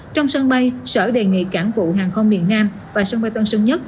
trong sân bay sở đề nghị cảng vụ hàng không miền nam và sân bay tân sơn nhất